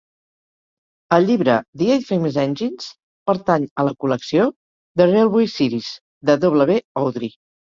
El llibre 'The Eight Famous Engines' pertany a la col·lecció "The Railway Series" de W. Awdry.